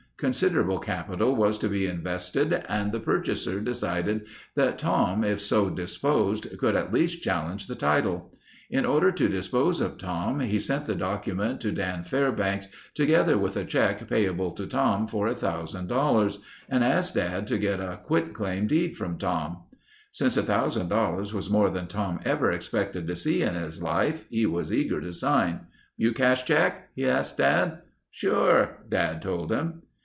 Considerable capital was to be invested and the purchaser decided that Tom, if so disposed, could at least challenge the title. In order to dispose of Tom he sent the document to Dad Fairbanks together with a check payable to Tom for $1000 and asked Dad to get a quit claim deed from Tom. Since $1000 was more than Tom ever expected to see in his life he was eager to sign. "You cash check?" he asked Dad. "Sure," Dad told him.